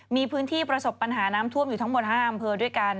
มีพื้นที่ประสบปัญหาน้ำท่วมอยู่ทั้งหมด๕อำเภอด้วยกัน